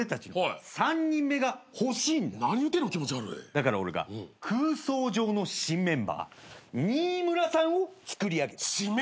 だから俺が空想上の新メンバー新村さんをつくり上げた。